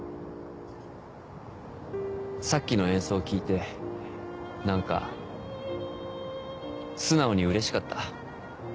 さっきの演奏聴いて何か素直にうれしかった。